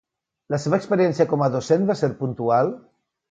La seva experiència com a docent va ser puntual?